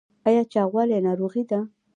ایا چاغوالی ناروغي ده؟